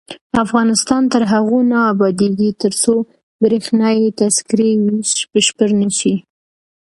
افغانستان تر هغو نه ابادیږي، ترڅو بریښنايي تذکرې ویش بشپړ نشي.